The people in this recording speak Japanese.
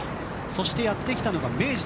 そしてやってきたのが明治。